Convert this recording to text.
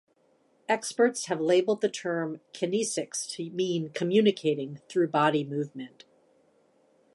Experts have labeled the term kinesics to mean communicating through body movement.